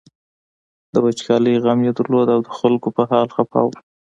د وچکالۍ غم یې درلود او د خلکو په حال خپه و.